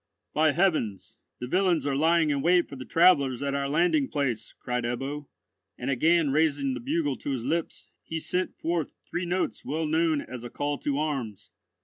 "By heavens, the villains are lying in wait for the travellers at our landing place," cried Ebbo, and again raising the bugle to his lips, he sent forth three notes well known as a call to arms.